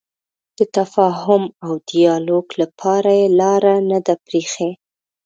د تفاهم او ډیالوګ لپاره یې لاره نه ده پرېښې.